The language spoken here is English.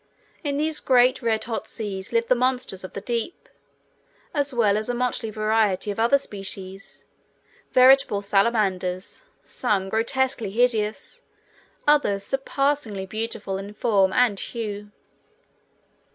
In these great red hot seas live the monsters of the deep, as well as a motley variety of other species, veritable salamanders, some grotesquely hideous, others surpassingly beautiful in form and hue.